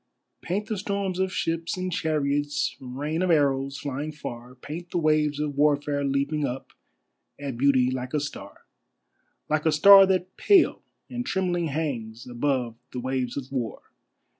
Paint the storms of ships and chariots, rain of arrows flying far, Paint the waves of Warfare leaping up at Beauty like a star, Like a star that pale and trembling hangs above the waves of War.